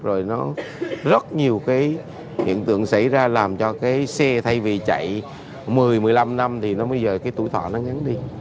rồi nó rất nhiều cái hiện tượng xảy ra làm cho cái xe thay vì chạy một mươi một mươi năm năm thì nó bây giờ cái tuổi thọ nó ngắn đi